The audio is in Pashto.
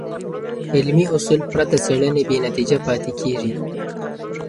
علمي اصول پرته څېړنې بېنتیجه پاتې کېږي.